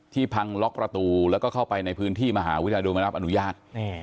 พังล็อกประตูแล้วก็เข้าไปในพื้นที่มหาวิทยาลัยโดยไม่รับอนุญาต